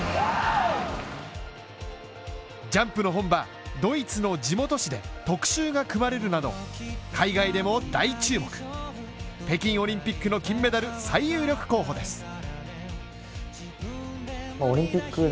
ジャンプの本場ドイツの地元紙で特集が組まれるなど、海外でも大注目の北京オリンピックの金メダル最有力候補です。